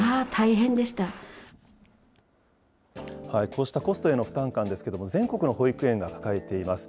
こうしたコストへの負担感ですけれども、全国の保育園が抱えています。